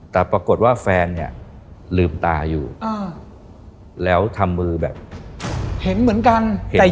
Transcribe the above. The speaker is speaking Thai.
แต่ปรากฏว่าแฟนเนี่ยลืมตาอยู่แล้วทำมือแบบเห็นเหมือนกัน